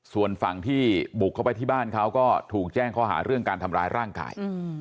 ส่วนฝั่งที่บุกเข้าไปที่บ้านเขาก็ถูกแจ้งข้อหาเรื่องการทำร้ายร่างกาย